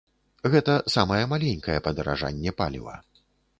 Гэта самае маленькае падаражанне паліва.